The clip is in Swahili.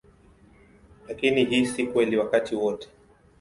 Lakini hii si kweli wakati wote.